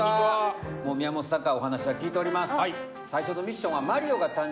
宮本さんからお話は聞いております。